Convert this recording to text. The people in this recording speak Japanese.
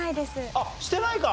あっしてないか。